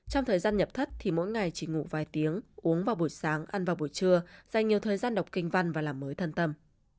trong thời gian nhập thấp thì mỗi ngày chỉ ngủ vài tiếng uống vào buổi sáng ăn vào buổi trưa dành nhiều thời gian đọc kinh văn và làm mới thân tâm